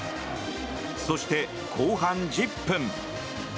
そして後半１０分。